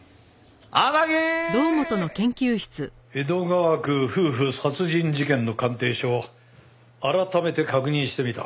江戸川区夫婦殺人事件の鑑定書を改めて確認してみた。